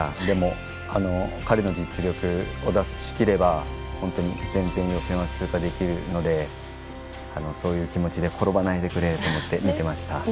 でも、彼の実力を出し切れば本当に全然予選は通過できるのでそういう気持ちで転ばないでくれと思って見ていました。